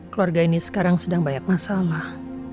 keluarga ini sekarang sedang banyak masalah